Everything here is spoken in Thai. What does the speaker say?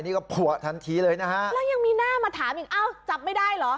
แล้วยังมีหน้ามะถามยังอ้าวจับไม่ได้หรอ